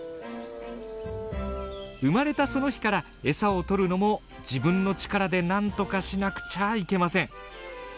生まれたその日から餌をとるのも自分の力で何とかしなくちゃいけません。